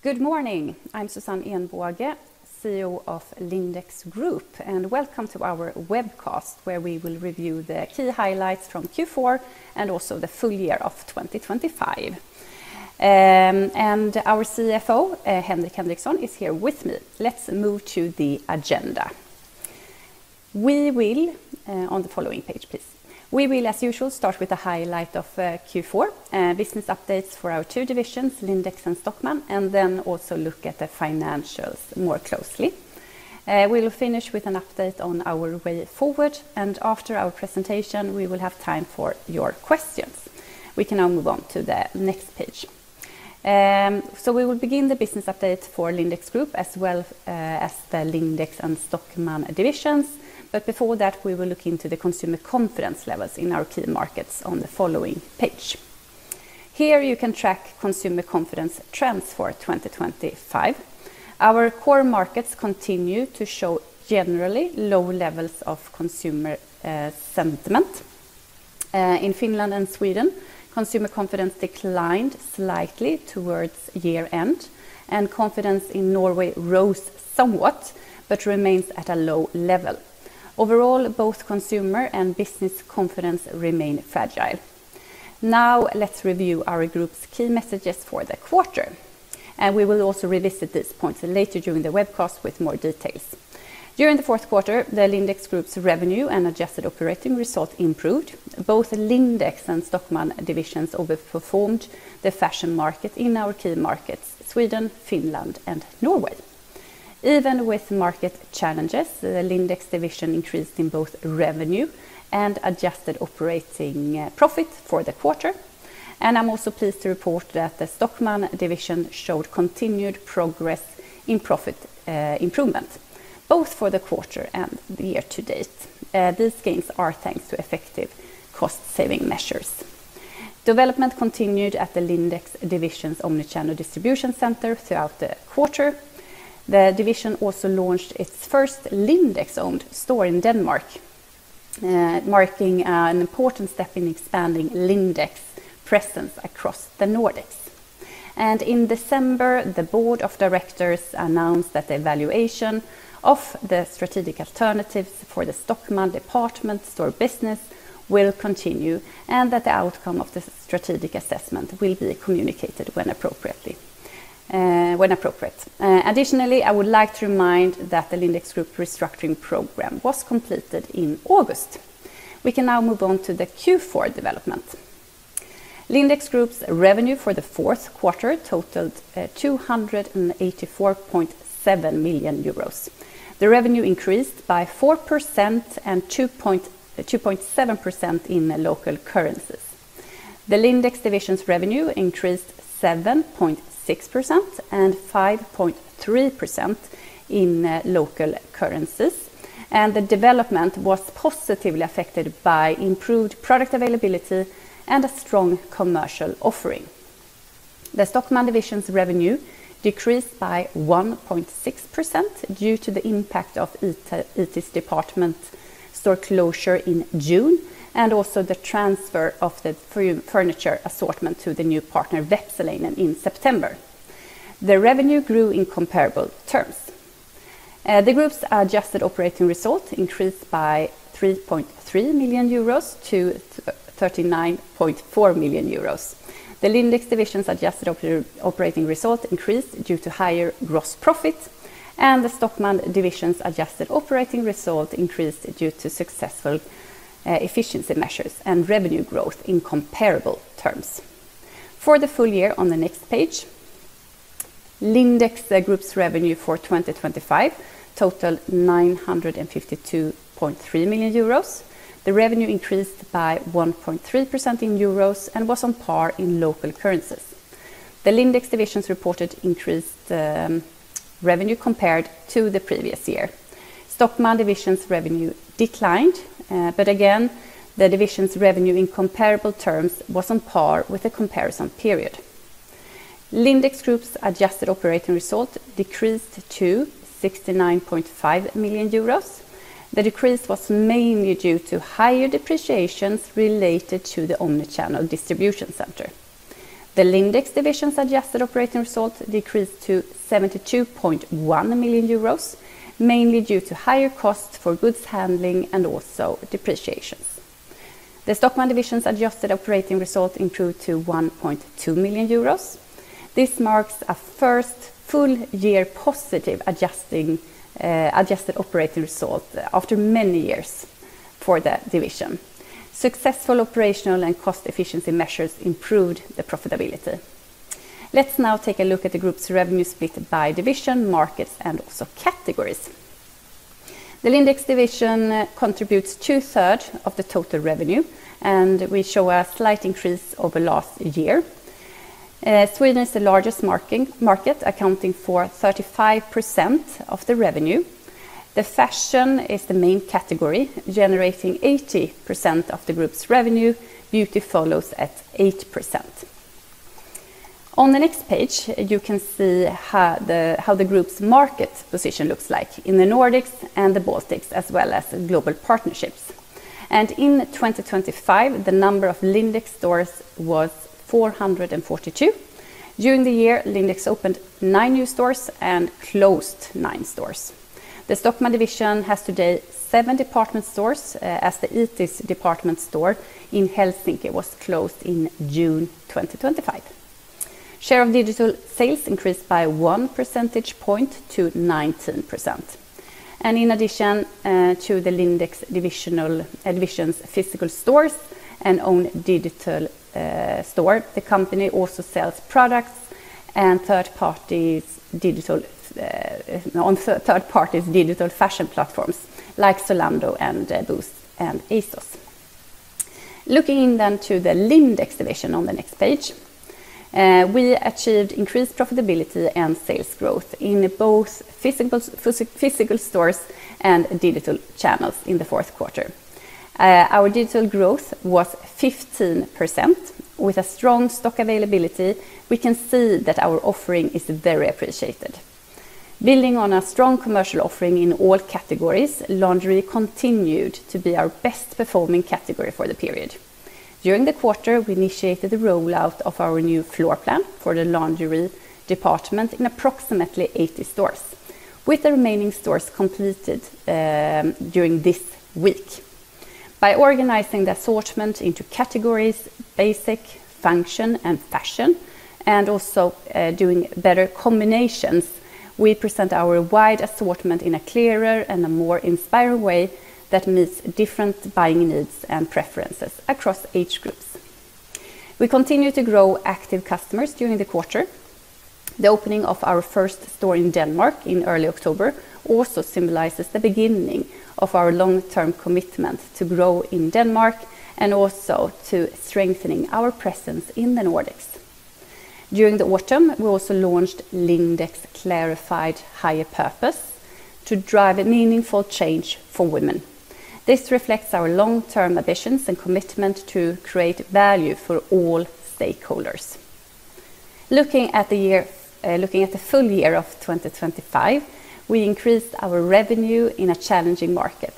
Good morning. I'm Susanne Ehnbåge, CEO of Lindex Group, and welcome to our webcast where we will review the key highlights from Q4 and also the full year of 2025. Our CFO, Henrik Henriksson, is here with me. Let's move to the agenda. We will on the following page, please. We will, as usual, start with a highlight of Q4, business updates for our two divisions, Lindex and Stockmann, and then also look at the financials more closely. We will finish with an update on our way forward, and after our presentation, we will have time for your questions. We can now move on to the next page. We will begin the business update for Lindex Group as well as the Lindex and Stockmann divisions, but before that, we will look into the consumer confidence levels in our key markets on the following page. Here you can track consumer confidence trends for 2025. Our core markets continue to show generally low levels of consumer sentiment. In Finland and Sweden, consumer confidence declined slightly towards year-end, and confidence in Norway rose somewhat but remains at a low level. Overall, both consumer and business confidence remain fragile. Now let's review our group's key messages for the quarter. We will also revisit these points later during the webcast with more details. During the fourth quarter, the Lindex Group's revenue and adjusted operating result improved. Both Lindex and Stockmann divisions overperformed the fashion market in our key markets, Sweden, Finland, and Norway. Even with market challenges, the Lindex division increased in both revenue and adjusted operating profit for the quarter. I'm also pleased to report that the Stockmann division showed continued progress in profit improvement, both for the quarter and year-to-date. These gains are thanks to effective cost-saving measures. Development continued at the Lindex division's omnichannel distribution center throughout the quarter. The division also launched its first Lindex-owned store in Denmark, marking an important step in expanding Lindex's presence across the Nordics. In December, the Board of Directors announced that the evaluation of the strategic alternatives for the Stockmann department store business will continue and that the outcome of the strategic assessment will be communicated when appropriate. Additionally, I would like to remind that the Lindex Group restructuring program was completed in August. We can now move on to the Q4 development. Lindex Group's revenue for the fourth quarter totaled 284.7 million euros. The revenue increased by 4% and 2.7% in local currencies. The Lindex division's revenue increased 7.6% and 5.3% in local currencies. The development was positively affected by improved product availability and a strong commercial offering. The Stockmann division's revenue decreased by 1.6% due to the impact of Itis department store closure in June and also the transfer of the furniture assortment to the new partner, Vepsäläinen, in September. The revenue grew in comparable terms. The group's adjusted operating result increased by 3.3 million euros to 39.4 million euros. The Lindex division's adjusted operating result increased due to higher gross profit. The Stockmann division's adjusted operating result increased due to successful efficiency measures and revenue growth in comparable terms. For the full year on the next page. Lindex Group's revenue for 2025 totaled 952.3 million euros. The revenue increased by 1.3% in euros and was on par in local currencies. The Lindex division's reported increased revenue compared to the previous year. Stockmann division's revenue declined, but again, the division's revenue in comparable terms was on par with the comparison period. Lindex Group's adjusted operating result decreased to 69.5 million euros. The decrease was mainly due to higher depreciations related to the omnichannel distribution centre. The Lindex division's adjusted operating result decreased to 72.1 million euros, mainly due to higher costs for goods handling and also depreciations. The Stockmann division's adjusted operating result improved to 1.2 million euros. This marks a first full year positive adjusted operating result after many years for the division. Successful operational and cost efficiency measures improved the profitability. Let's now take a look at the group's revenue split by division, markets, and also categories. The Lindex division contributes 2/3 of the total revenue, and we show a slight increase over last year. Sweden is the largest market, accounting for 35% of the revenue. The fashion is the main category, generating 80% of the group's revenue. Beauty follows at 8%. On the next page, you can see how the group's market position looks like in the Nordics and the Baltics, as well as global partnerships. In 2025, the number of Lindex stores was 442. During the year, Lindex opened nine new stores and closed nine stores. The Stockmann division has today seven department stores, as the Itis department store in Helsinki was closed in June 2025. Share of digital sales increased by 1 percentage point to 19%. In addition to the Lindex division's physical stores and owned digital store, the company also sells products on third-parties' digital fashion platforms like Zalando and Boozt and ASOS. Looking in then to the Lindex division on the next page. We achieved increased profitability and sales growth in both physical stores and digital channels in the fourth quarter. Our digital growth was 15%. With a strong stock availability, we can see that our offering is very appreciated. Building on a strong commercial offering in all categories, lingerie continued to be our best-performing category for the period. During the quarter, we initiated the rollout of our new floor plan for the lingerie department in approximately 80 stores, with the remaining stores completed during this week. By organizing the assortment into categories basic, function, and fashion, and also doing better combinations, we present our wide assortment in a clearer and a more inspiring way that meets different buying needs and preferences across age groups. We continue to grow active customers during the quarter. The opening of our first store in Denmark in early October also symbolizes the beginning of our long-term commitment to grow in Denmark and also to strengthening our presence in the Nordics. During the autumn, we also launched Lindex's clarified higher purpose to drive a meaningful change for women. This reflects our long-term ambitions and commitment to create value for all stakeholders. Looking at the full year of 2025, we increased our revenue in a challenging market.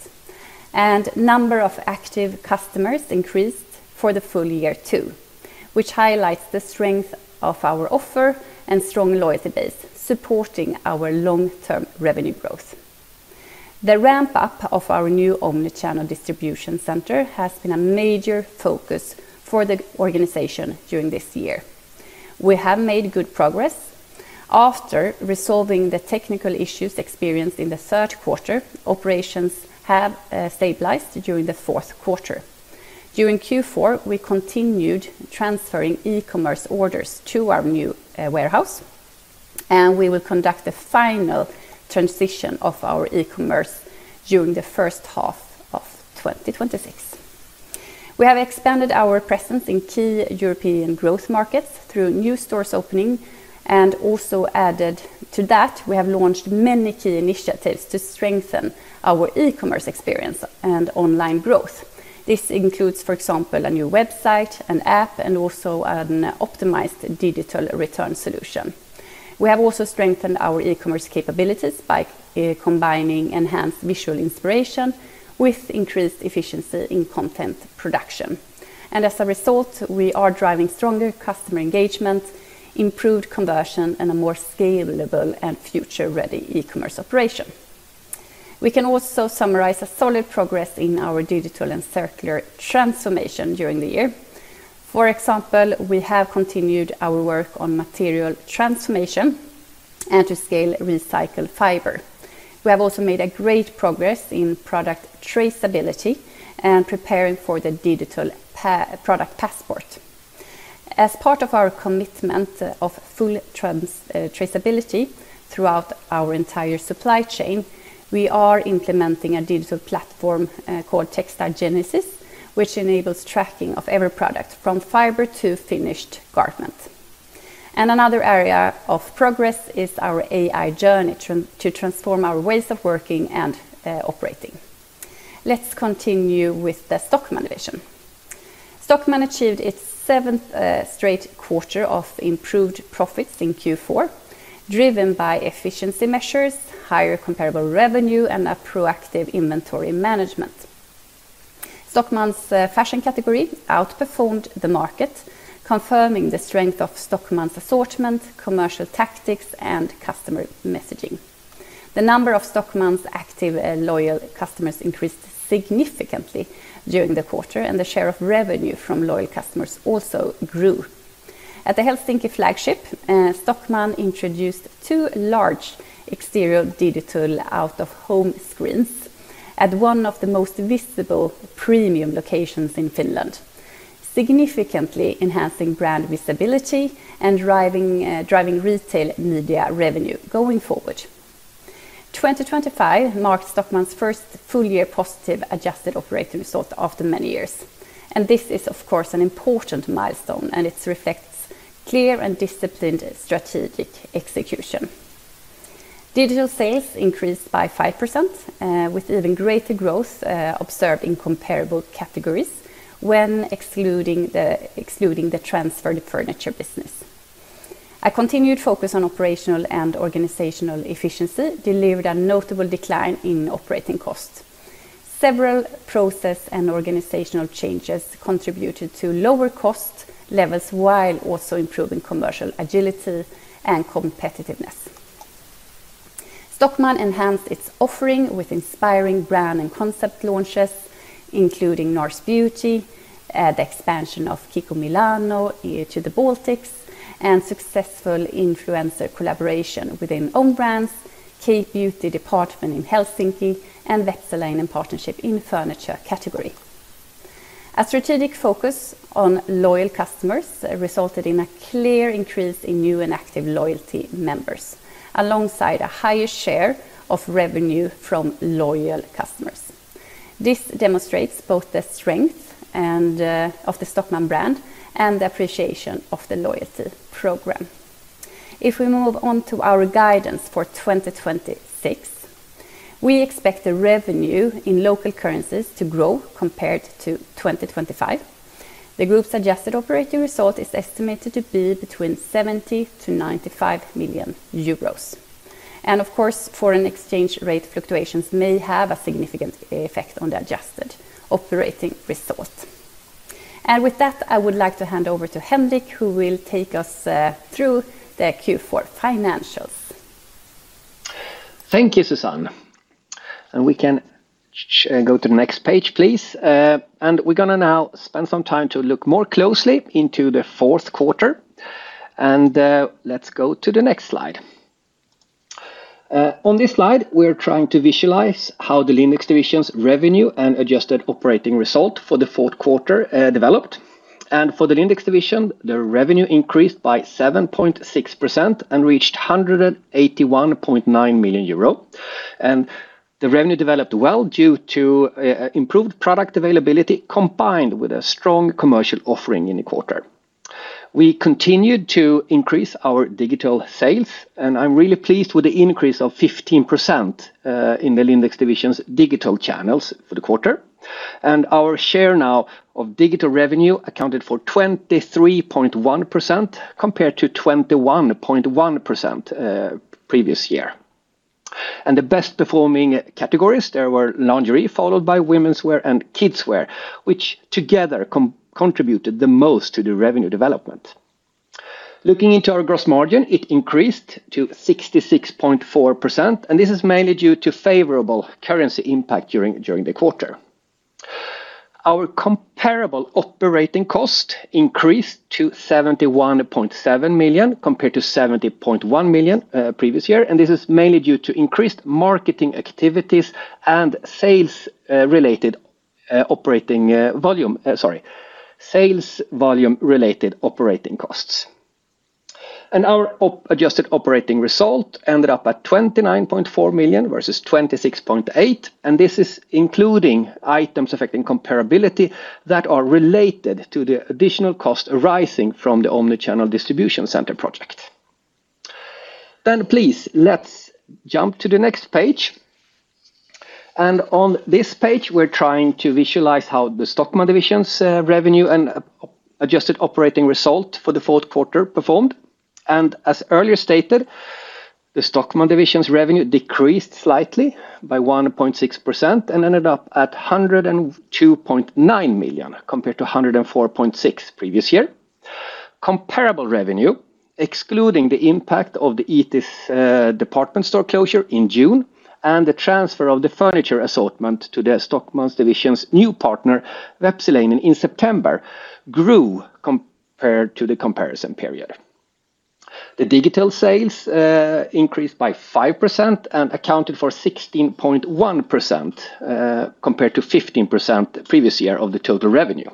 The number of active customers increased for the full year too, which highlights the strength of our offer and strong loyalty base supporting our long-term revenue growth. The ramp-up of our new omnichannel distribution center has been a major focus for the organization during this year. We have made good progress. After resolving the technical issues experienced in the third quarter, operations have stabilized during the fourth quarter. During Q4, we continued transferring e-commerce orders to our new warehouse. We will conduct the final transition of our e-commerce during the first half of 2026. We have expanded our presence in key European growth markets through new stores opening. We have also added to that, we have launched many key initiatives to strengthen our e-commerce experience and online growth. This includes, for example, a new website, an app, and also an optimized digital return solution. We have also strengthened our e-commerce capabilities by combining enhanced visual inspiration with increased efficiency in content production. As a result, we are driving stronger customer engagement, improved conversion, and a more scalable and future-ready e-commerce operation. We can also summarize a solid progress in our digital and circular transformation during the year. For example, we have continued our work on material transformation and to scale recycled fiber. We have also made great progress in product traceability and preparing for the Digital Product Passport. As part of our commitment of full traceability throughout our entire supply chain, we are implementing a digital platform called TextileGenesis, which enables tracking of every product from fiber to finished garment. Another area of progress is our AI journey to transform our ways of working and operating. Let's continue with the Stockmann division. Stockmann achieved its seventh straight quarter of improved profits in Q4, driven by efficiency measures, higher comparable revenue, and a proactive inventory management. Stockmann's fashion category outperformed the market, confirming the strength of Stockmann's assortment, commercial tactics, and customer messaging. The number of Stockmann's active loyal customers increased significantly during the quarter, and the share of revenue from loyal customers also grew. At the Helsinki flagship, Stockmann introduced two large exterior digital out-of-home screens at one of the most visible premium locations in Finland, significantly enhancing brand visibility and driving retail media revenue going forward. 2025 marked Stockmann's first full year positive adjusted operating result after many years. This is, of course, an important milestone, and it reflects clear and disciplined strategic execution. Digital sales increased by 5%, with even greater growth observed in comparable categories, excluding the transferred furniture business. A continued focus on operational and organizational efficiency delivered a notable decline in operating costs. Several process and organizational changes contributed to lower cost levels while also improving commercial agility and competitiveness. Stockmann enhanced its offering with inspiring brand and concept launches, including NARS Beauty, the expansion of KIKO Milano to the Baltics, and successful influencer collaboration within own brands, K-Beauty department in Helsinki, and Vepsäläinen partnership in furniture category. A strategic focus on loyal customers resulted in a clear increase in new and active loyalty members, alongside a higher share of revenue from loyal customers. This demonstrates both the strength of the Stockmann brand and the appreciation of the loyalty programme. If we move on to our guidance for 2026, we expect the revenue in local currencies to grow compared to 2025. The group's adjusted operating result is estimated to be between 70 million-95 million euros. Of course, foreign exchange rate fluctuations may have a significant effect on the adjusted operating result. With that, I would like to hand over to Henrik, who will take us through the Q4 financials. Thank you, Susanne. We can go to the next page, please. We're going to now spend some time to look more closely into the fourth quarter. Let's go to the next slide. On this slide, we're trying to visualize how the Lindex division's revenue and adjusted operating result for the fourth quarter developed. For the Lindex division, the revenue increased by 7.6% and reached 181.9 million euro. The revenue developed well due to improved product availability combined with a strong commercial offering in the quarter. We continued to increase our digital sales, and I'm really pleased with the increase of 15% in the Lindex division's digital channels for the quarter. Our share now of digital revenue accounted for 23.1% compared to 21.1% previous year. The best-performing categories, there were lingerie, followed by womenswear and kidswear, which together contributed the most to the revenue development. Looking into our gross margin, it increased to 66.4%, and this is mainly due to favorable currency impact during the quarter. Our comparable operating cost increased to 71.7 million compared to 70.1 million previous year, and this is mainly due to increased marketing activities and sales-related operating volume sorry, sales-volume-related operating costs. And our adjusted operating result ended up at 29.4 million versus 26.8 million, and this is including items affecting comparability that are related to the additional cost arising from the omnichannel distribution center project. Then, please, let's jump to the next page. And on this page, we're trying to visualize how the Stockmann division's revenue and adjusted operating result for the fourth quarter performed. And as earlier stated, the Stockmann division's revenue decreased slightly by 1.6% and ended up at 102.9 million compared to 104.6 million previous year. Comparable revenue, excluding the impact of the Itis department store closure in June and the transfer of the furniture assortment to the Stockmann division's new partner, Vepsäläinen, in September, grew compared to the comparison period. The digital sales increased by 5% and accounted for 16.1% compared to 15% previous year of the total revenue.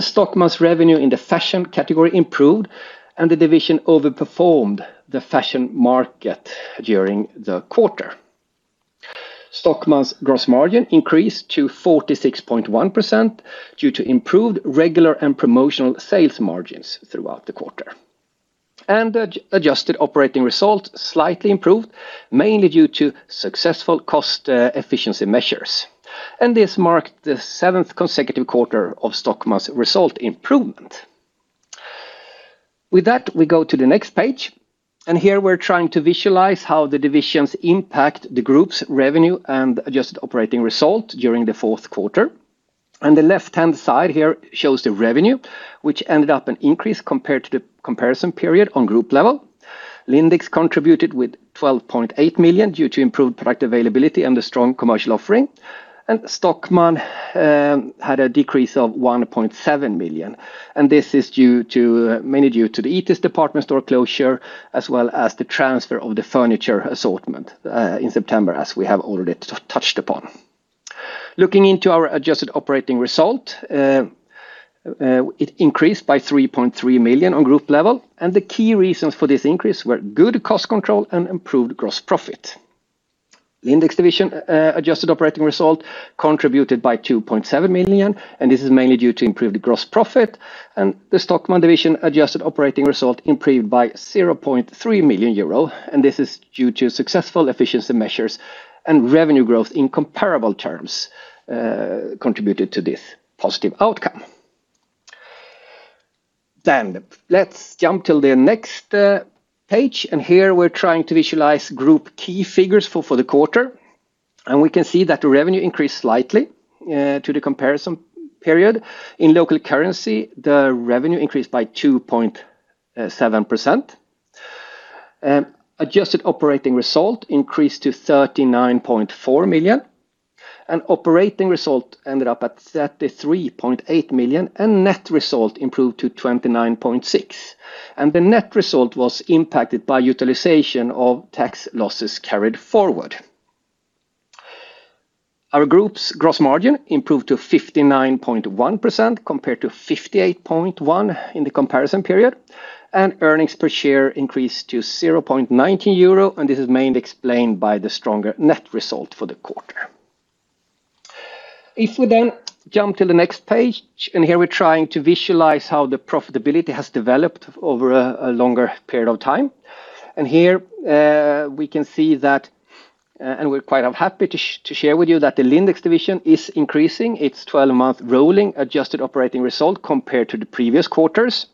Stockmann's revenue in the fashion category improved, and the division overperformed the fashion market during the quarter. Stockmann's gross margin increased to 46.1% due to improved regular and promotional sales margins throughout the quarter. The adjusted operating result slightly improved, mainly due to successful cost efficiency measures. This marked the seventh consecutive quarter of Stockmann's result improvement. With that, we go to the next page. Here we're trying to visualize how the division's impact the group's revenue and adjusted operating result during the fourth quarter. The left-hand side here shows the revenue, which ended up an increase compared to the comparison period on group level. Lindex contributed with 12.8 million due to improved product availability and the strong commercial offering. Stockmann had a decrease of 1.7 million. And this is mainly due to the Itis department store closure, as well as the transfer of the furniture assortment in September, as we have already touched upon. Looking into our adjusted operating result. It increased by 3.3 million on group level. The key reasons for this increase were good cost control and improved gross profit. Lindex division adjusted operating result contributed by 2.7 million, and this is mainly due to improved gross profit. The Stockmann division adjusted operating result improved by 0.3 million euro. This is due to successful efficiency measures and revenue growth in comparable terms contributed to this positive outcome. Let's jump to the next page. Here we're trying to visualize group key figures for the quarter. We can see that the revenue increased slightly to the comparison period. In local currency, the revenue increased by 2.7%. Adjusted operating result increased to 39.4 million. Operating result ended up at 33.8 million, and net result improved to 29.6 million. The net result was impacted by utilisation of tax losses carried forward. Our group's gross margin improved to 59.1% compared to 58.1% in the comparison period. Earnings per share increased to 0.19 euro, and this is mainly explained by the stronger net result for the quarter. If we then jump to the next page, here we're trying to visualize how the profitability has developed over a longer period of time. Here we can see that, and we're quite happy to share with you that the Lindex division is increasing. Its 12-month rolling adjusted operating result compared to the previous quarters.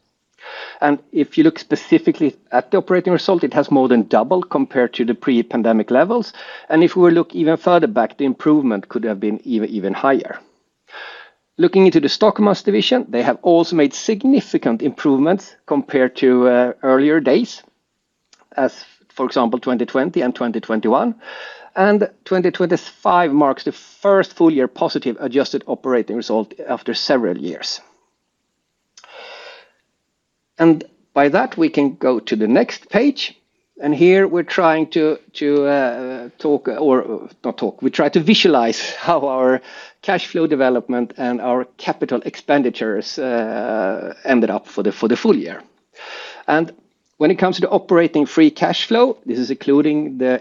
If you look specifically at the operating result, it has more than doubled compared to the pre-pandemic levels. If we look even further back, the improvement could have been even higher. Looking into the Stockmann division, they have also made significant improvements compared to earlier days, as for example, 2020 and 2021. 2025 marks the first full year positive adjusted operating result after several years. By that, we can go to the next page. Here we're trying to talk or not talk. We try to visualize how our cash flow development and our capital expenditures ended up for the full year. When it comes to the operating free cash flow, this is excluding the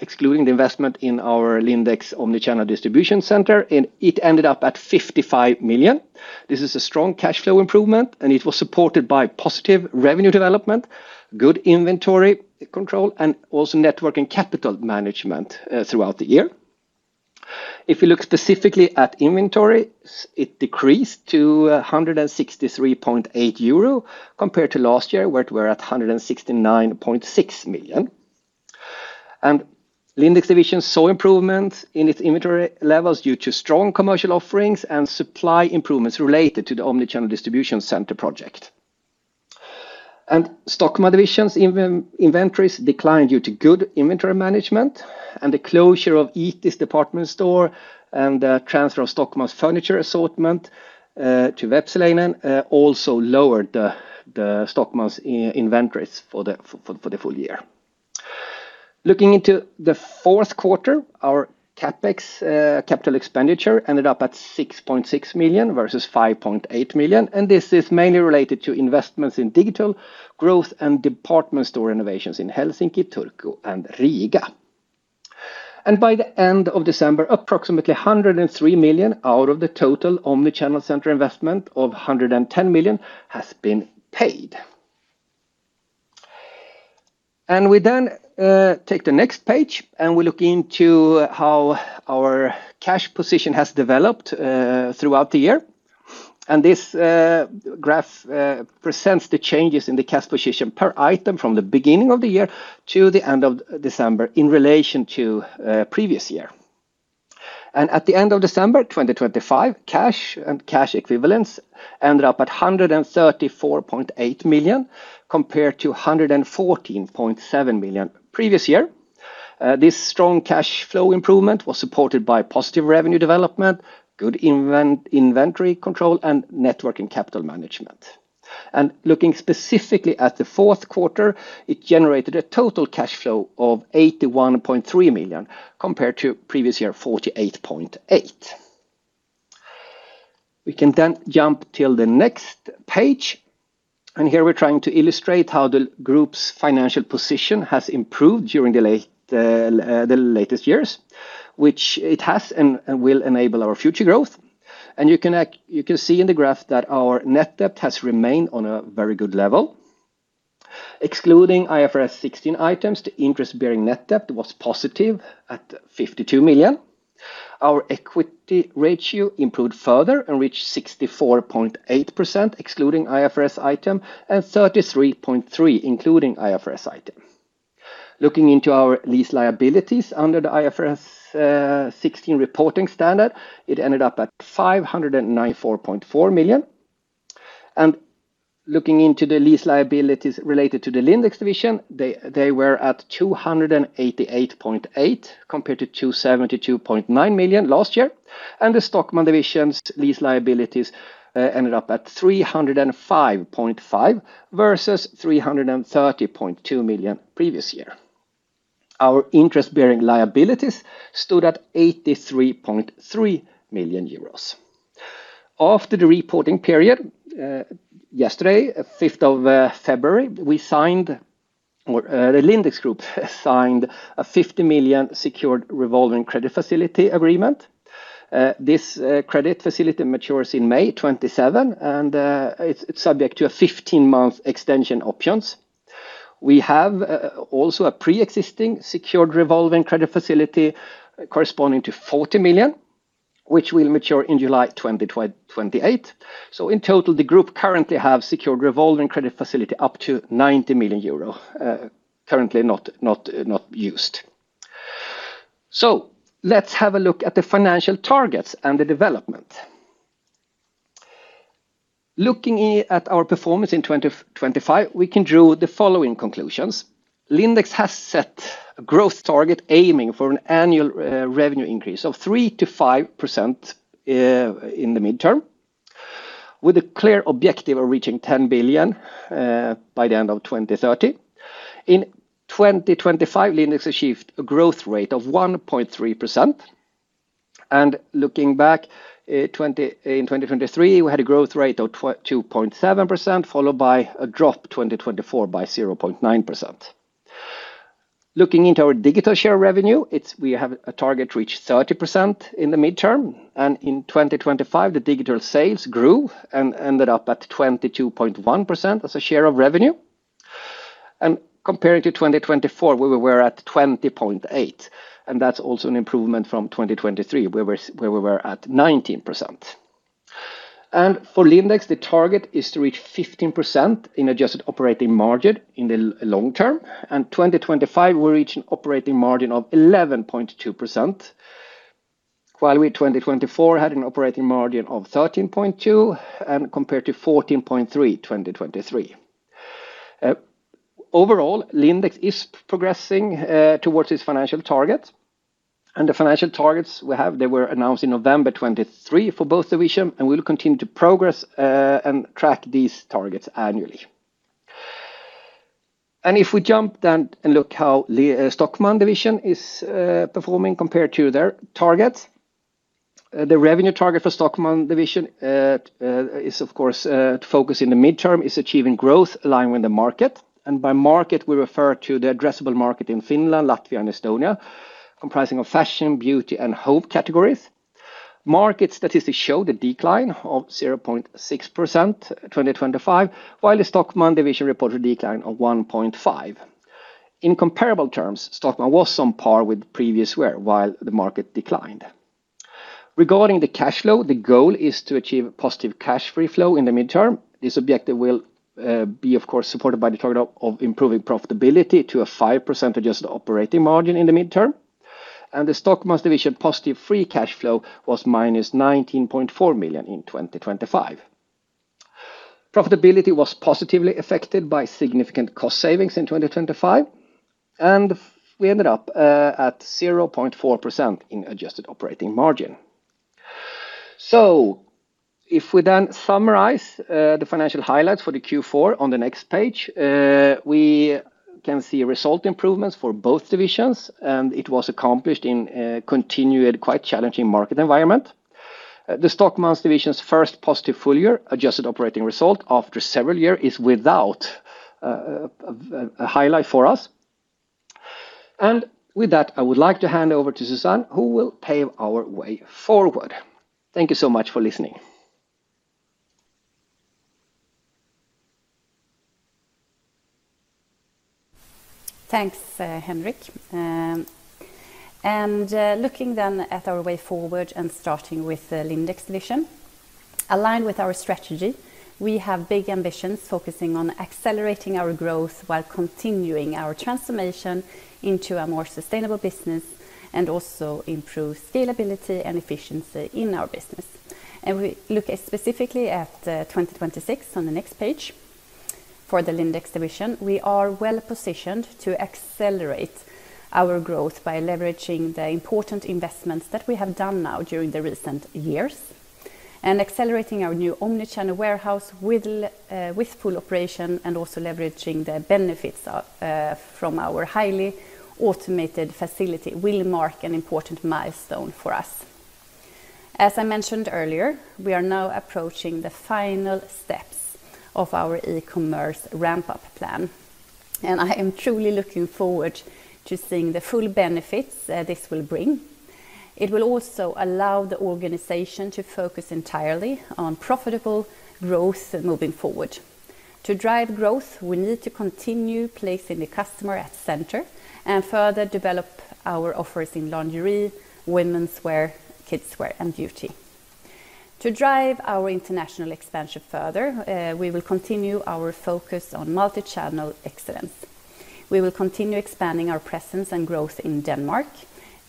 investment in our Lindex omnichannel distribution center, it ended up at 55 million. This is a strong cash flow improvement, and it was supported by positive revenue development, good inventory control, and also network and capital management throughout the year. If we look specifically at inventory, it decreased to 163.8 million euro compared to last year, where it were at 169.6 million. Lindex division saw improvements in its inventory levels due to strong commercial offerings and supply improvements related to the omnichannel distribution centre project. Stockmann division's inventories declined due to good inventory management, and the closure of Itis department store and the transfer of Stockmann's furniture assortment to Vepsäläinen also lowered the Stockmann's inventories for the full year. Looking into the fourth quarter, our CapEx capital expenditure ended up at 6.6 million versus 5.8 million. This is mainly related to investments in digital growth and department store innovations in Helsinki, Turku, and Riga. By the end of December, approximately 103 million out of the total omnichannel centre investment of 110 million has been paid. We then take the next page, and we look into how our cash position has developed throughout the year. This graph presents the changes in the cash position per item from the beginning of the year to the end of December in relation to previous year. At the end of December 2025, cash and cash equivalence ended up at 134.8 million compared to 114.7 million previous year. This strong cash flow improvement was supported by positive revenue development, good inventory control, and net working capital management. Looking specifically at the fourth quarter, it generated a total cash flow of 81.3 million compared to previous year 48.8 million. We can then jump to the next page. Here we're trying to illustrate how the group's financial position has improved during the latest years, which it has and will enable our future growth. You can see in the graph that our net debt has remained on a very good level. Excluding IFRS 16 items, the interest-bearing net debt was positive at 52 million. Our equity ratio improved further and reached 64.8% excluding IFRS item and 33.3% including IFRS item. Looking into our lease liabilities under the IFRS 16 reporting standard, it ended up at 594.4 million. Looking into the lease liabilities related to the Lindex division, they were at 288.8 million compared to 272.9 million last year. The Stockmann division's lease liabilities ended up at 305.5 million versus 330.2 million previous year. Our interest-bearing liabilities stood at 83.3 million euros. After the reporting period yesterday, 5th of February, we signed or the Lindex Group signed a 50 million secured revolving credit facility agreement. This credit facility matures in May 27, and it's subject to a 15-month extension options. We have also a pre-existing secured revolving credit facility corresponding to 40 million, which will mature in July 2028. So in total, the group currently has secured revolving credit facility up to 90 million euro currently not used. So let's have a look at the financial targets and the development. Looking at our performance in 2025, we can draw the following conclusions. Lindex has set a growth target aiming for an annual revenue increase of 3%-5% in the midterm, with a clear objective of reaching 10 billion by the end of 2030. In 2025, Lindex achieved a growth rate of 1.3%. Looking back in 2023, we had a growth rate of 2.7% followed by a drop 2024 by 0.9%. Looking into our digital share revenue, we have a target to reach 30% in the midterm. In 2025, the digital sales grew and ended up at 22.1% as a share of revenue. Comparing to 2024, where we were at 20.8%. That's also an improvement from 2023, where we were at 19%. For Lindex, the target is to reach 15% in adjusted operating margin in the long-term. In 2025, we reached an operating margin of 11.2%, while we in 2024 had an operating margin of 13.2% and compared to 14.3% in 2023. Overall, Lindex is progressing towards its financial targets. The financial targets we have, they were announced in November 2023 for both divisions, and we'll continue to progress and track these targets annually. If we jump then and look how Stockmann division is performing compared to their targets. The revenue target for Stockmann division is, of course, to focus in the midterm is achieving growth aligned with the market. By market, we refer to the addressable market in Finland, Latvia, and Estonia, comprising fashion, beauty, and home categories. Market statistics showed a decline of 0.6% in 2025, while the Stockmann division reported a decline of 1.5%. In comparable terms, Stockmann was on par with previous while the market declined. Regarding the cash flow, the goal is to achieve positive free cash flow in the midterm. This objective will be, of course, supported by the target of improving profitability to a 5% adjusted operating margin in the midterm. The Stockmann division positive free cash flow was -19.4 million in 2025. Profitability was positively affected by significant cost savings in 2025, and we ended up at 0.4% in adjusted operating margin. So if we then summarize the financial highlights for the Q4 on the next page, we can see result improvements for both divisions, and it was accomplished in a continued, quite challenging market environment. The Stockmann division's first positive full year adjusted operating result after several years is without a highlight for us. And with that, I would like to hand over to Susanne, who will pave our way forward. Thank you so much for listening. Thanks, Henrik. Looking then at our way forward and starting with the Lindex division, aligned with our strategy, we have big ambitions focusing on accelerating our growth while continuing our transformation into a more sustainable business and also improve scalability and efficiency in our business. We look specifically at 2026 on the next page. For the Lindex division, we are well-positioned to accelerate our growth by leveraging the important investments that we have done now during the recent years, and accelerating our new omnichannel warehouse with full operation, and also leveraging the benefits from our highly automated facility will mark an important milestone for us. As I mentioned earlier, we are now approaching the final steps of our e-commerce ramp-up plan. I am truly looking forward to seeing the full benefits this will bring. It will also allow the organization to focus entirely on profitable growth moving forward. To drive growth, we need to continue placing the customer at center and further develop our offers in lingerie, women's wear, kids' wear, and beauty. To drive our international expansion further, we will continue our focus on multi-channel excellence. We will continue expanding our presence and growth in Denmark,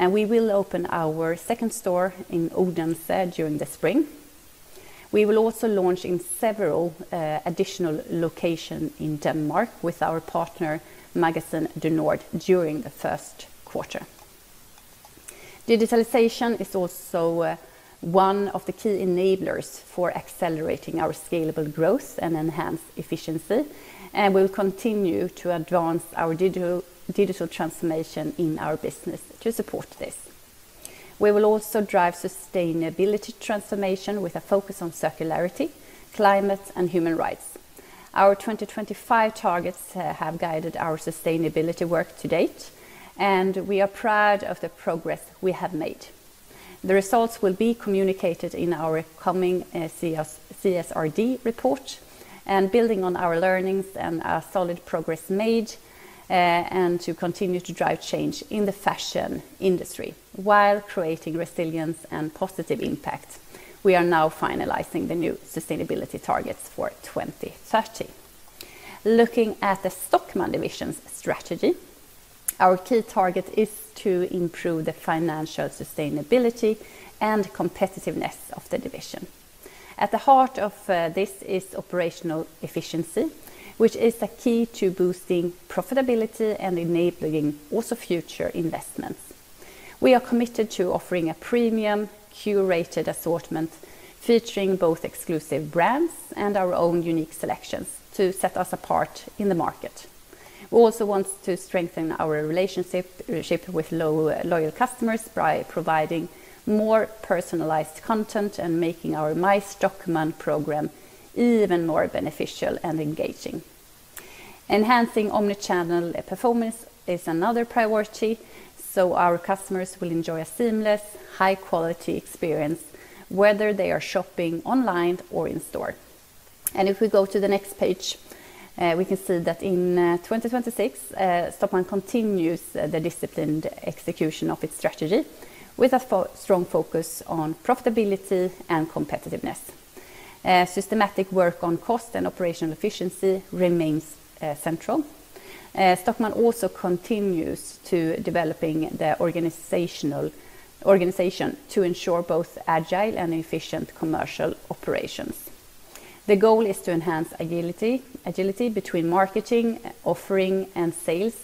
and we will open our second store in Odense during the spring. We will also launch in several additional locations in Denmark with our partner Magasin du Nord during the first quarter. Digitalization is also one of the key enablers for accelerating our scalable growth and enhanced efficiency. We will continue to advance our digital transformation in our business to support this. We will also drive sustainability transformation with a focus on circularity, climate, and human rights. Our 2025 targets have guided our sustainability work to date, and we are proud of the progress we have made. The results will be communicated in our coming CSRD report. Building on our learnings and our solid progress made and to continue to drive change in the fashion industry while creating resilience and positive impact, we are now finalizing the new sustainability targets for 2030. Looking at the Stockmann division's strategy, our key target is to improve the financial sustainability and competitiveness of the division. At the heart of this is operational efficiency, which is a key to boosting profitability and enabling also future investments. We are committed to offering a premium curated assortment featuring both exclusive brands and our own unique selections to set us apart in the market. We also want to strengthen our relationship with loyal customers by providing more personalized content and making our MyStockmann programme even more beneficial and engaging. Enhancing omnichannel performance is another priority, so our customers will enjoy a seamless, high-quality experience, whether they are shopping online or in-store. And if we go to the next page, we can see that in 2026, Stockmann continues the disciplined execution of its strategy with a strong focus on profitability and competitiveness. Systematic work on cost and operational efficiency remains central. Stockmann also continues to develop the organization to ensure both agile and efficient commercial operations. The goal is to enhance agility between marketing, offering, and sales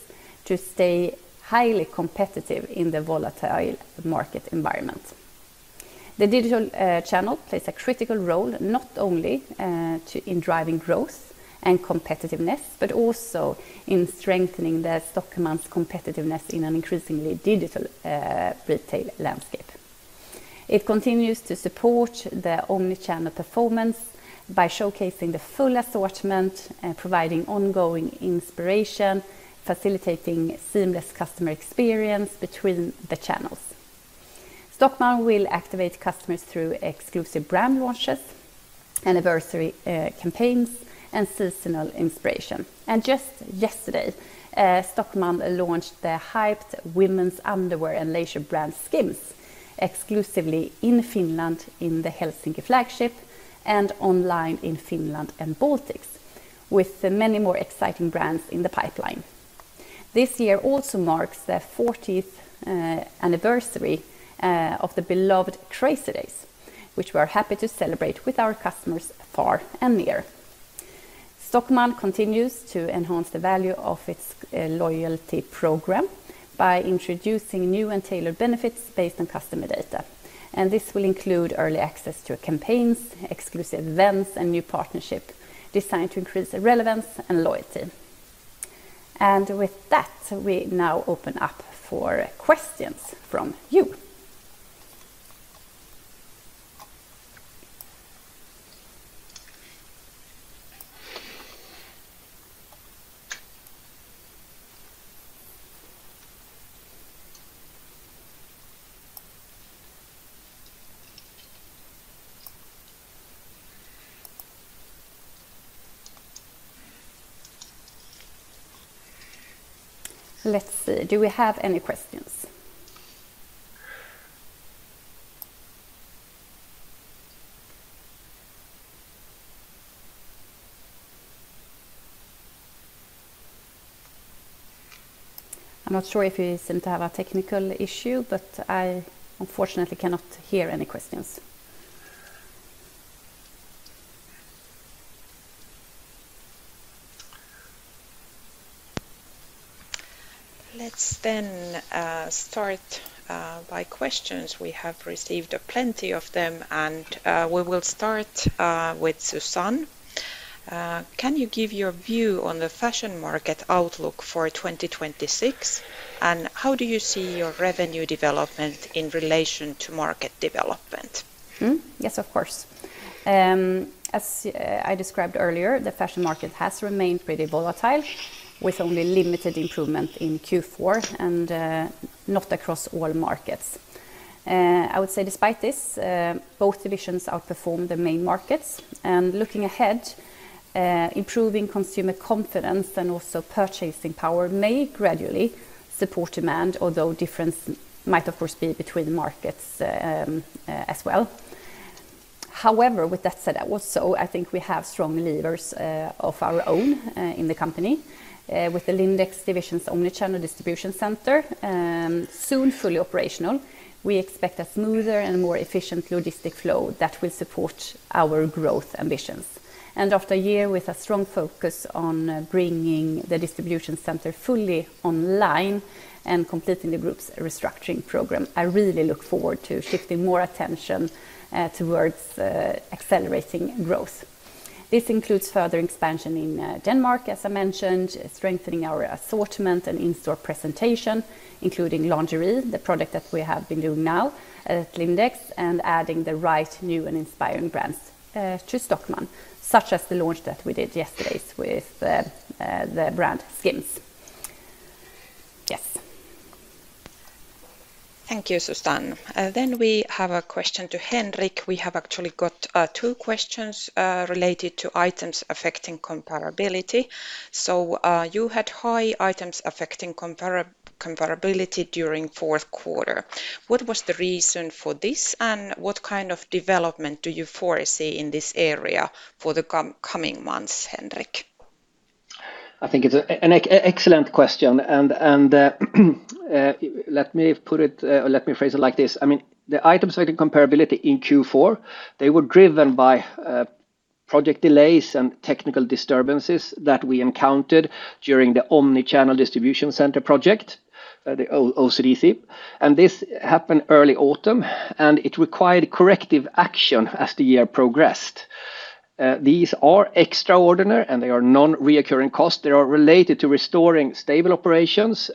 to stay highly competitive in the volatile market environment. The digital channel plays a critical role not only in driving growth and competitiveness, but also in strengthening the Stockmann's competitiveness in an increasingly digital retail landscape. It continues to support the omnichannel performance by showcasing the full assortment, providing ongoing inspiration, facilitating seamless customer experience between the channels. Stockmann will activate customers through exclusive brand launches, anniversary campaigns, and seasonal inspiration. Just yesterday, Stockmann launched the hyped women's underwear and leisure brand SKIMS exclusively in Finland in the Helsinki flagship and online in Finland and Baltics, with many more exciting brands in the pipeline. This year also marks the 40th anniversary of the beloved Crazy Days, which we are happy to celebrate with our customers far and near. Stockmann continues to enhance the value of its loyalty program by introducing new and tailored benefits based on customer data. This will include early access to campaigns, exclusive events, and new partnerships designed to increase relevance and loyalty. With that, we now open up for questions from you. Let's see. Do we have any questions? I'm not sure if you seem to have a technical issue, but I unfortunately cannot hear any questions. Let's then start by questions. We have received plenty of them, and we will start with Susanne. Can you give your view on the fashion market outlook for 2026, and how do you see your revenue development in relation to market development? Yes, of course. As I described earlier, the fashion market has remained pretty volatile, with only limited improvement in Q4 and not across all markets. I would say despite this, both divisions outperform the main markets. And looking ahead, improving consumer confidence and also purchasing power may gradually support demand, although difference might, of course, be between markets as well. However, with that said also, I think we have strong levers of our own in the company. With the Lindex division's omnichannel distribution centre soon fully operational, we expect a smoother and more efficient logistic flow that will support our growth ambitions. After a year with a strong focus on bringing the distribution centre fully online and completing the group's restructuring program, I really look forward to shifting more attention towards accelerating growth. This includes further expansion in Denmark, as I mentioned, strengthening our assortment and in-store presentation, including lingerie, the product that we have been doing now at Lindex, and adding the right new and inspiring brands to Stockmann, such as the launch that we did yesterday with the brand SKIMS. Yes. Thank you, Susanne. Then we have a question to Henrik. We have actually got two questions related to items affecting comparability. So you had high items affecting comparability during fourth quarter. What was the reason for this, and what kind of development do you foresee in this area for the coming months, Henrik? I think it's an excellent question. And let me put it or let me phrase it like this. I mean, the items affecting comparability in Q4, they were driven by project delays and technical disturbances that we encountered during the Omnichannel Distribution Center project, the OCDC. And this happened early autumn, and it required corrective action as the year progressed. These are extraordinary, and they are non-recurring costs. They are related to restoring stable operations.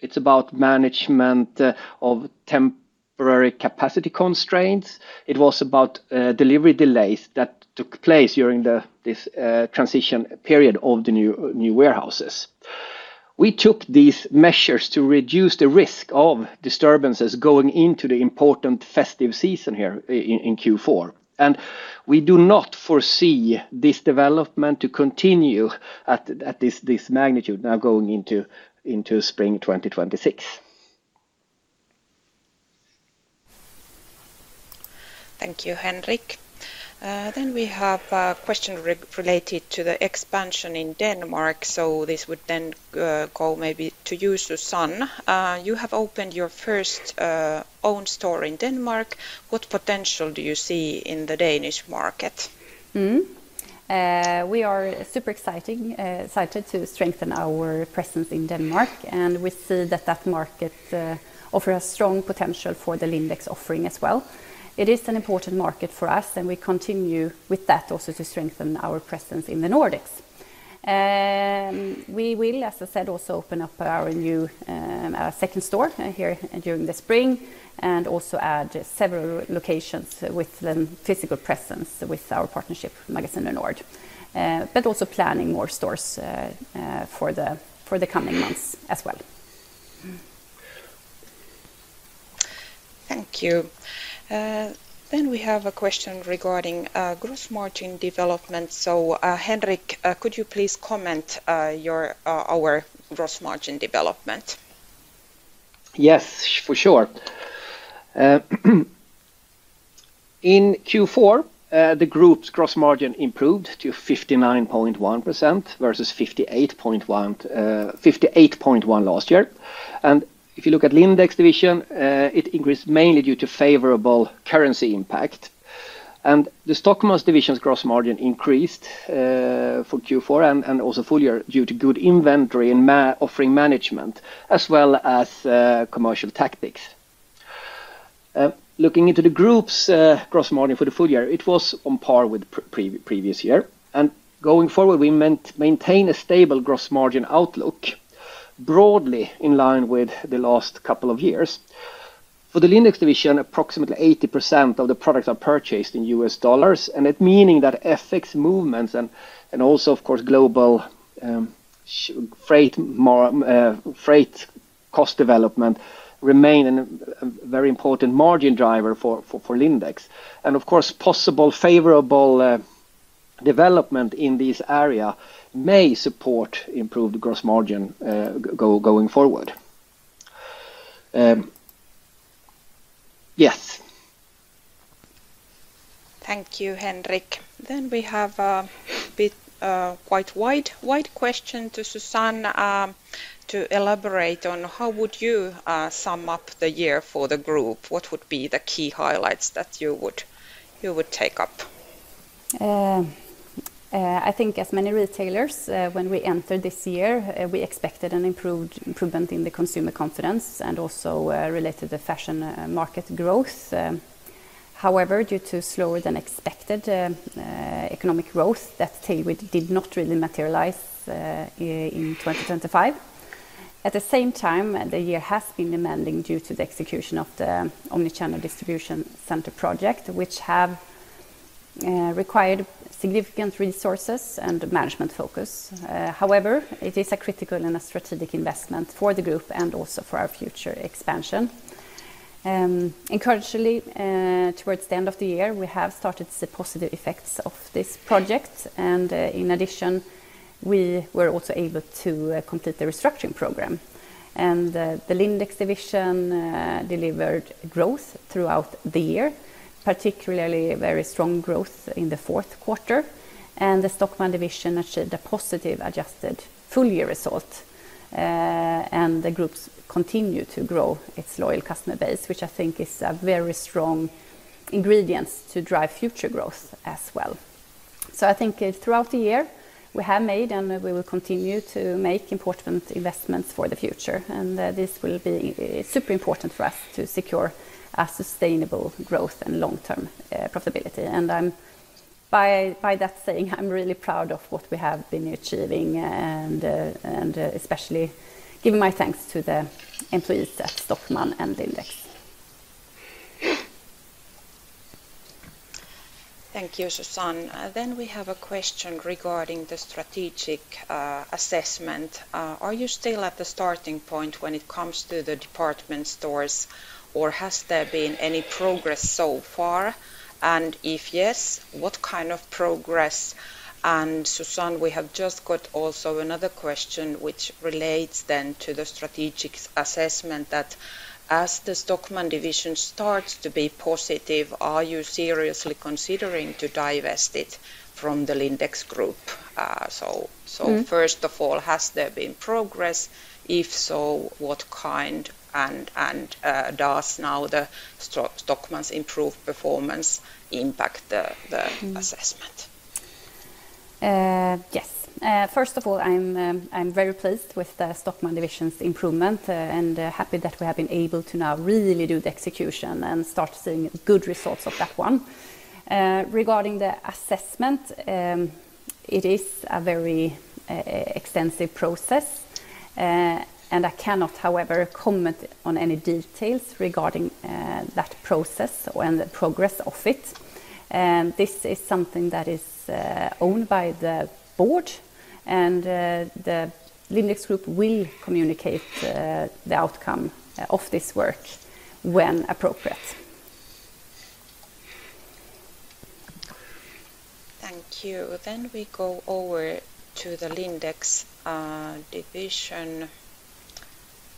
It's about management of temporary capacity constraints. It was about delivery delays that took place during this transition period of the new warehouses. We took these measures to reduce the risk of disturbances going into the important festive season here in Q4. And we do not foresee this development to continue at this magnitude now going into spring 2026. Thank you, Henrik. Then we have a question related to the expansion in Denmark. So this would then go maybe to you, Susanne. You have opened your first own store in Denmark. What potential do you see in the Danish market? We are super excited to strengthen our presence in Denmark, and we see that that market offers a strong potential for the Lindex offering as well. It is an important market for us, and we continue with that also to strengthen our presence in the Nordics. We will, as I said, also open up our second store here during the spring and also add several locations with a physical presence with our partnership, Magasin du Nord. But also planning more stores for the coming months as well. Thank you. We have a question regarding gross margin development. Henrik, could you please comment on our gross margin development? Yes, for sure. In Q4, the group's gross margin improved to 59.1% versus 58.1% last year. If you look at Lindex division, it increased mainly due to favorable currency impact. The Stockmann's division's gross margin increased for Q4 and also full year due to good inventory and offering management as well as commercial tactics. Looking into the group's gross margin for the full year, it was on par with previous year. Going forward, we maintain a stable gross margin outlook, broadly in line with the last couple of years. For the Lindex division, approximately 80% of the products are purchased in U.S. dollars, and it meaning that FX movements and also, of course, global freight cost development remain a very important margin driver for Lindex. Of course, possible favorable development in this area may support improved gross margin going forward. Yes. Thank you, Henrik. Then we have a quite wide question to Susanne to elaborate on. How would you sum up the year for the group? What would be the key highlights that you would take up? I think as many retailers, when we entered this year, we expected an improvement in the consumer confidence and also related to fashion market growth. However, due to slower than expected economic growth, that tailwind did not really materialize in 2025. At the same time, the year has been demanding due to the execution of the omnichannel distribution center project, which has required significant resources and management focus. However, it is a critical and a strategic investment for the group and also for our future expansion. Encouragingly, towards the end of the year, we have started to see positive effects of this project. In addition, we were also able to complete the restructuring program. The Lindex division delivered growth throughout the year, particularly very strong growth in the fourth quarter. The Stockmann division achieved a positive adjusted full year result. And the group continues to grow its loyal customer base, which I think is a very strong ingredient to drive future growth as well. So I think throughout the year, we have made and we will continue to make important investments for the future. And this will be super important for us to secure a sustainable growth and long-term profitability. And by that saying, I'm really proud of what we have been achieving, and especially giving my thanks to the employees at Stockmann and Lindex. Thank you, Susanne. Then we have a question regarding the strategic assessment. Are you still at the starting point when it comes to the department stores, or has there been any progress so far? And if yes, what kind of progress? And Susanne, we have just got also another question, which relates then to the strategic assessment that as the Stockmann division starts to be positive, are you seriously considering to divest it from the Lindex Group? So first of all, has there been progress? If so, what kind? And does now the Stockmann's improved performance impact the assessment? Yes. First of all, I'm very pleased with the Stockmann division's improvement and happy that we have been able to now really do the execution and start seeing good results of that one. Regarding the assessment, it is a very extensive process. I cannot, however, comment on any details regarding that process and the progress of it. This is something that is owned by the board. The Lindex Group will communicate the outcome of this work when appropriate. Thank you. Then we go over to the Lindex division.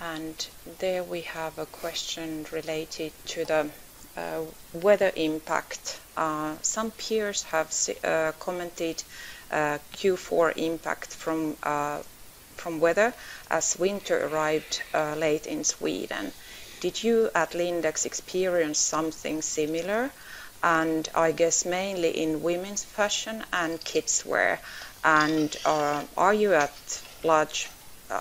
And there we have a question related to the weather impact. Some peers have commented on Q4 impact from weather as winter arrived late in Sweden. Did you at Lindex experience something similar? And I guess mainly in women's fashion and kids' wear. And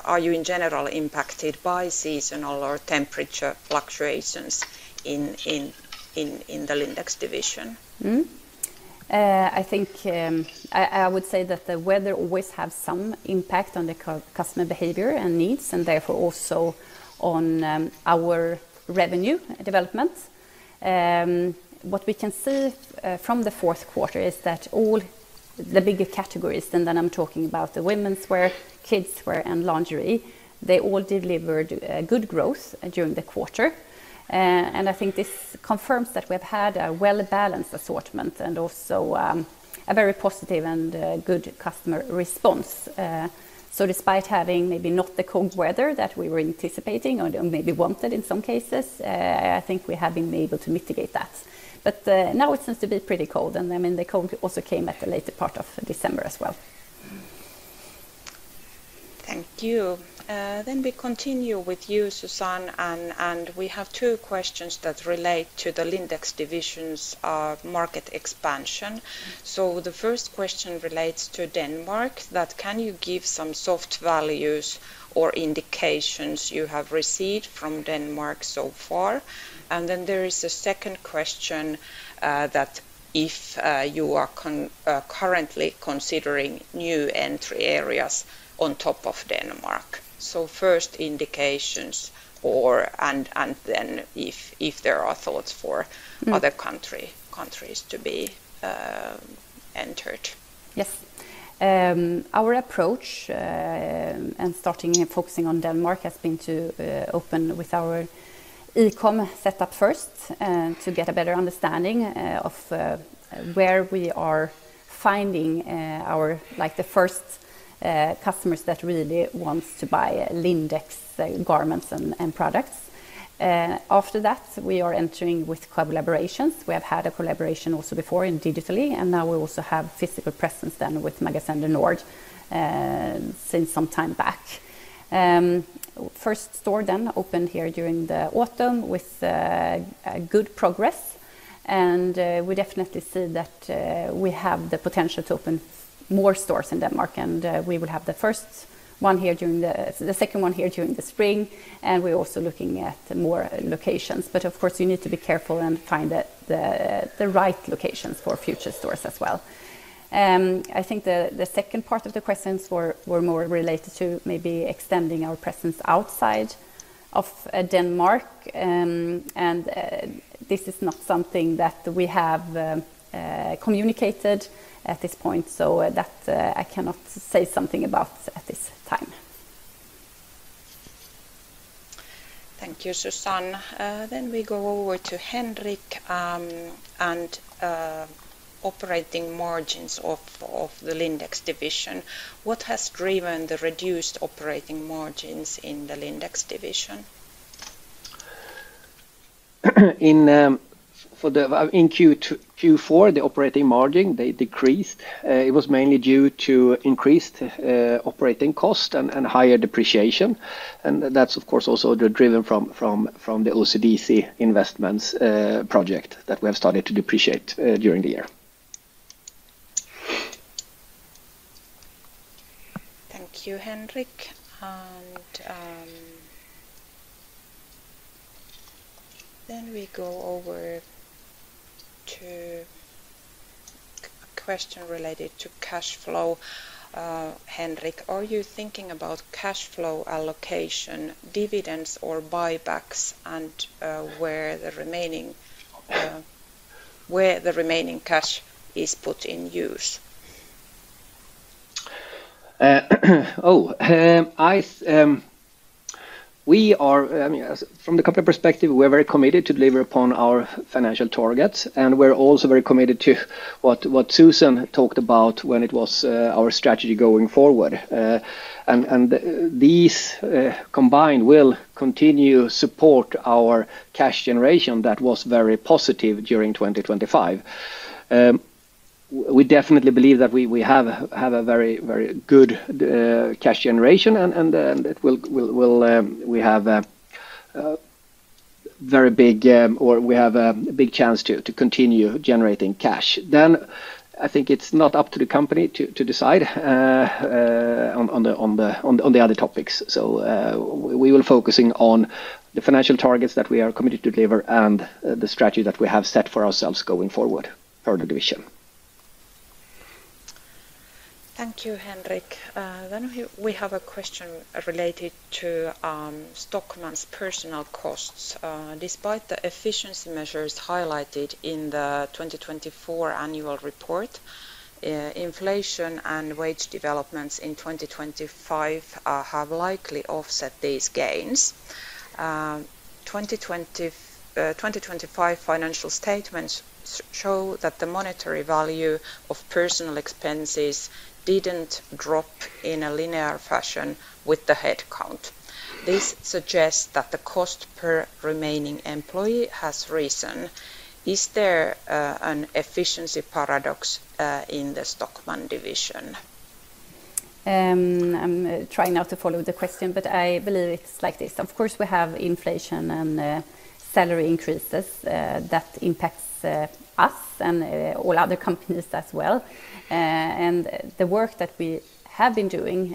are you in general impacted by seasonal or temperature fluctuations in the Lindex division? I think I would say that the weather always has some impact on the customer behavior and needs, and therefore also on our revenue development. What we can see from the fourth quarter is that all the bigger categories-and then I'm talking about the women's wear, kids' wear, and lingerie-they all delivered good growth during the quarter. I think this confirms that we have had a well-balanced assortment and also a very positive and good customer response. Despite having maybe not the cold weather that we were anticipating or maybe wanted in some cases, I think we have been able to mitigate that. Now it seems to be pretty cold. I mean, the cold also came at the later part of December as well. Thank you. Then we continue with you, Susanne. We have two questions that relate to the Lindex division's market expansion. The first question relates to Denmark: that can you give some soft values or indications you have received from Denmark so far? Then there is a second question that if you are currently considering new entry areas on top of Denmark. First indications, and then if there are thoughts for other countries to be entered. Yes. Our approach and starting focusing on Denmark has been to open with our e-com setup first to get a better understanding of where we are finding the first customers that really want to buy Lindex garments and products. After that, we are entering with collaborations. We have had a collaboration also before digitally. Now we also have physical presence then with Magasin du Nord since some time back. First store then opened here during the autumn with good progress. We definitely see that we have the potential to open more stores in Denmark. We will have the second one here during the spring. We're also looking at more locations. But of course, you need to be careful and find the right locations for future stores as well. I think the second part of the questions were more related to maybe extending our presence outside of Denmark. This is not something that we have communicated at this point, so that I cannot say something about at this time. Thank you, Susanne. Then we go over to Henrik. And operating margins of the Lindex division. What has driven the reduced operating margins in the Lindex division? In Q4, the operating margin, they decreased. It was mainly due to increased operating costs and higher depreciation. That's, of course, also driven from the OCDC investments project that we have started to depreciate during the year. Thank you, Henrik. Then we go over to a question related to cash flow. Henrik, are you thinking about cash flow allocation, dividends, or buybacks, and where the remaining cash is put in use? Oh. I mean, from the company perspective, we are very committed to deliver upon our financial targets. We're also very committed to what Susanne talked about when it was our strategy going forward. These combined will continue to support our cash generation that was very positive during 2025. We definitely believe that we have a very good cash generation. We have a very big chance to continue generating cash. Then I think it's not up to the company to decide on the other topics. So we will be focusing on the financial targets that we are committed to deliver and the strategy that we have set for ourselves going forward for the division. Thank you, Henrik. We have a question related to Stockmann's personal costs. Despite the efficiency measures highlighted in the 2024 annual report, inflation and wage developments in 2025 have likely offset these gains. 2025 financial statements show that the monetary value of personal expenses didn't drop in a linear fashion with the headcount. This suggests that the cost per remaining employee has risen. Is there an efficiency paradox in the Stockmann division? I'm trying not to follow the question, but I believe it's like this. Of course, we have inflation and salary increases that impact us and all other companies as well. The work that we have been doing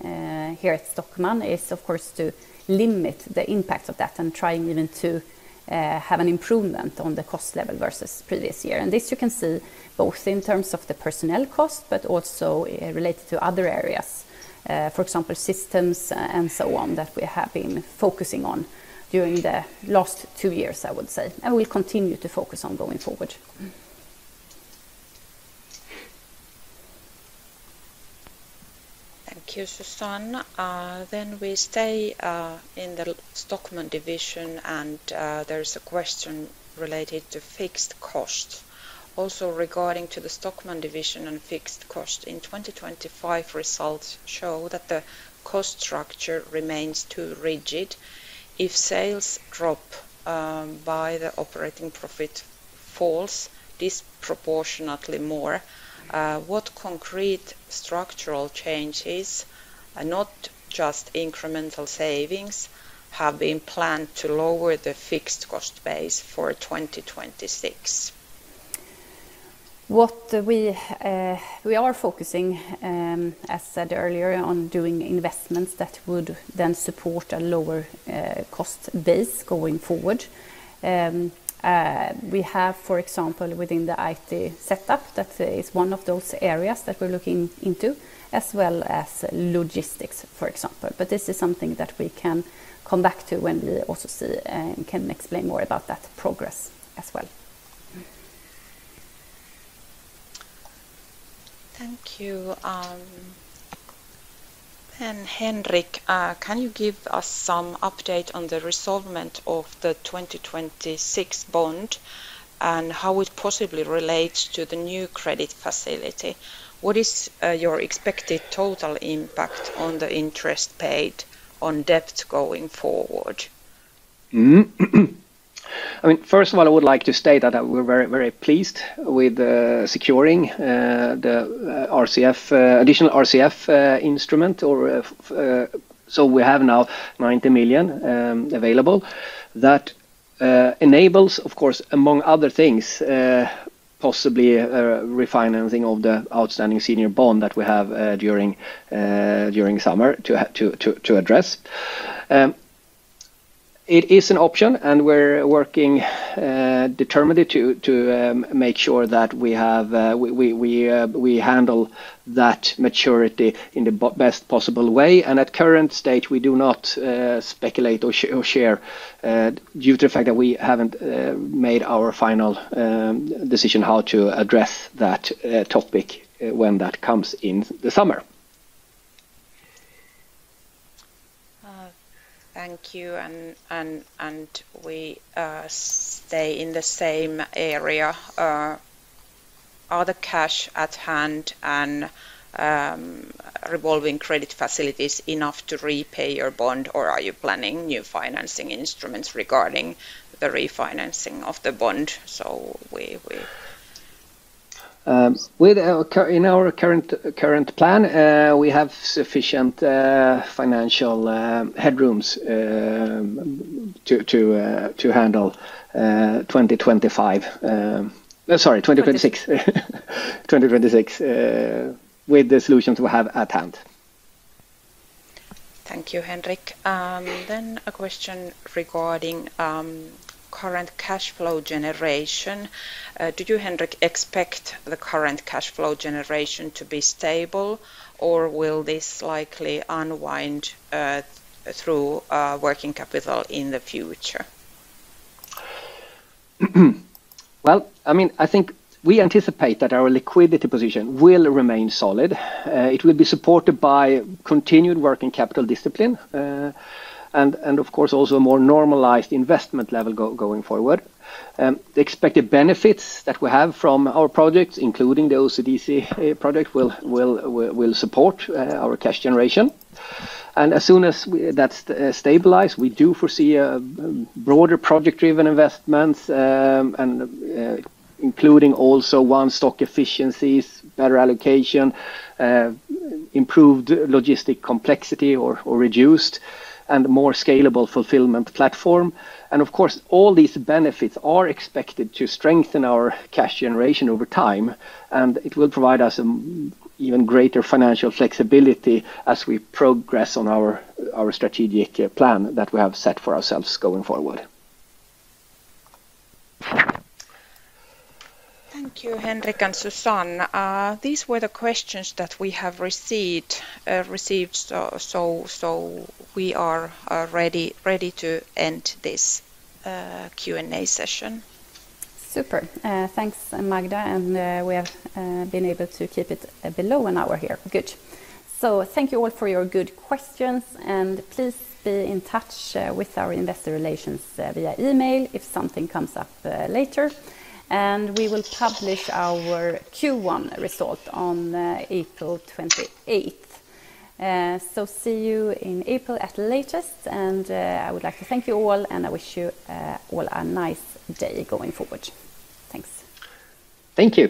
here at Stockmann is, of course, to limit the impact of that and try even to have an improvement on the cost level versus previous year. This you can see both in terms of the personnel cost, but also related to other areas. For example, systems and so on that we have been focusing on during the last two years, I would say. We'll continue to focus on going forward. Thank you, Susanne. We stay in the Stockmann division. There is a question related to fixed costs. Also regarding the Stockmann division and fixed costs, in 2025, results show that the cost structure remains too rigid. If sales drop, the operating profit falls disproportionately more, what concrete structural changes, not just incremental savings, have been planned to lower the fixed cost base for 2026? What we are focusing, as said earlier, on doing investments that would then support a lower cost base going forward. We have, for example, within the IT setup, that is one of those areas that we're looking into, as well as logistics, for example. But this is something that we can come back to when we also can explain more about that progress as well. Thank you. Henrik, can you give us some update on the resolvement of the 2026 bond and how it possibly relates to the new credit facility? What is your expected total impact on the interest paid on debt going forward? I mean, first of all, I would like to state that we're very pleased with securing the additional RCF instrument. So we have now 90 million available. That enables, of course, among other things, possibly refinancing of the outstanding senior bond that we have during summer to address. It is an option. And we're working determinedly to make sure that we handle that maturity in the best possible way. And at the current stage, we do not speculate or share due to the fact that we haven't made our final decision how to address that topic when that comes in the summer. Thank you. We stay in the same area. Are the cash at hand and revolving credit facilities enough to repay your bond, or are you planning new financing instruments regarding the refinancing of the bond? With our current plan, we have sufficient financial headrooms to handle 2026 with the solutions we have at hand. Thank you, Henrik. A question regarding current cash flow generation. Do you, Henrik, expect the current cash flow generation to be stable, or will this likely unwind through working capital in the future? Well, I mean, I think we anticipate that our liquidity position will remain solid. It will be supported by continued working capital discipline and, of course, also a more normalised investment level going forward. The expected benefits that we have from our projects, including the OCDC project, will support our cash generation. And as soon as that stabilizes, we do foresee broader project-driven investments, including also OneStock efficiencies, better allocation, improved logistic complexity or reduced, and a more scalable fulfilment platform. And of course, all these benefits are expected to strengthen our cash generation over time. And it will provide us even greater financial flexibility as we progress on our strategic plan that we have set for ourselves going forward. Thank you, Henrik and Susanne. These were the questions that we have received, so we are ready to end this Q&A session. Super. Thanks, Marja. We have been able to keep it below an hour here. Good. Thank you all for your good questions. Please be in touch with our investor relations via email if something comes up later. We will publish our Q1 result on April 28th. See you in April at the latest. I would like to thank you all, and I wish you all a nice day going forward. Thanks. Thank you.